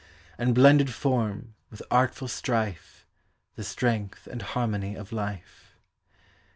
And blended form, with artful suite. The strength and harmony of lite.